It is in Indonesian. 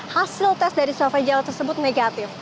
hasil tes dari syofan jali tersebut negatif